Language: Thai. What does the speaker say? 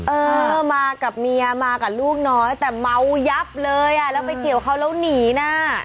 เออมากับเมียมากับลูกน้อยแต่เมายับเลยอ่ะแล้วไปเกี่ยวเขาแล้วหนีน่ะ